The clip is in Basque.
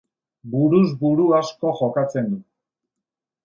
Buruz buru asko jokatzen du.